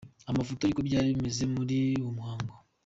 Amafoto y'uko byari bimeze muri uwo muhango.